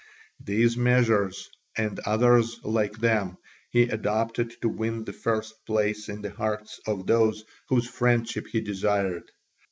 These measures, and others like them, he adopted to win the first place in the hearts of those whose friendship he desired.